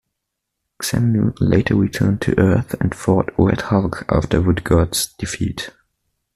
Xemnu later returned to Earth and fought Red Hulk after Woodgod's defeat.